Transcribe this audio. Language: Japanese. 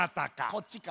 こっちか。